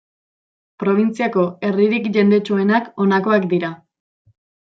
Probintziako herririk jendetsuenak honakoak dira.